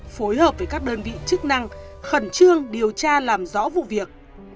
phối hợp với các đơn vị chức năng khẩn trương điều tra làm rõ vụ việc